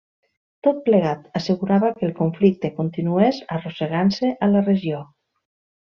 Tot plegat assegurava que el conflicte continués arrossegant-se a la regió.